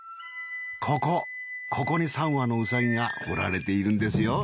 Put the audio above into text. ここここに三羽のうさぎが彫られているんですよ。